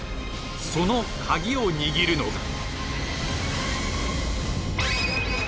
そのカギを握るのが。